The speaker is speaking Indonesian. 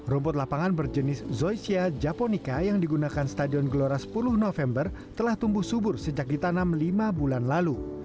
rumput lapangan berjenis zoysia japonica yang digunakan stadion gelora sepuluh november telah tumbuh subur sejak ditanam lima bulan lalu